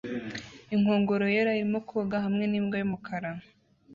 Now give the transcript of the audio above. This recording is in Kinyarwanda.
Inkongoro yera irimo koga hamwe nimbwa yumukara